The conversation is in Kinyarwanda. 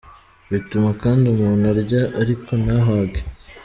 Bituma kandi umuntu arya ariko ntahage.